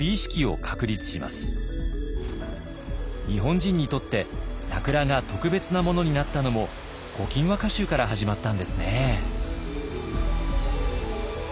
日本人にとって桜が特別なものになったのも「古今和歌集」から始まったんですね。